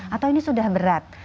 atau ini sudah berat